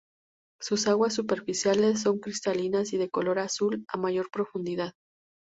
Sus aguas superficiales son cristalinas y de color azul a mayor profundidad.